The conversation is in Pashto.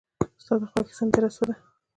ستا د خوښې سندره څه ده؟